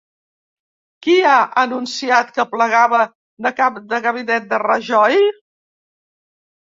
Qui ha anunciat que plegava de cap de gabinet de Rajoy?